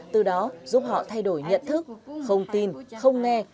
từ đó giúp họ thay đổi nhận thức không tin không nghe